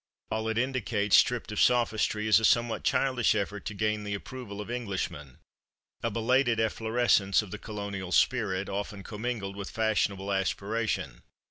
All it indicates, stripped of sophistry, is a somewhat childish effort to gain the approval of Englishmen a belated efflorescence of the colonial spirit, often commingled with fashionable aspiration.